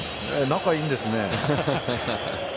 仲いいんですね。